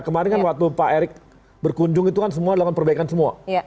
kemarin kan waktu pak erick berkunjung itu kan semua delapan perbaikan semua